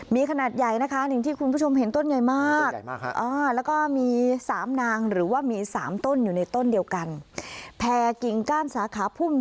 มีขนาดใหญ่นะคะอย่างที่คุณผู้ชมเห็นต้นใหญ่มาก